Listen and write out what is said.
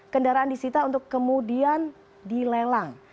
kendaraan disita untuk kemudian dilelang